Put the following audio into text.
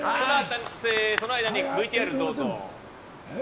その間にＶＴＲをどうぞ。